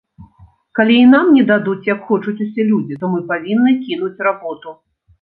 Калі і нам не дадуць, як хочуць усе людзі, то мы павінны кінуць работу.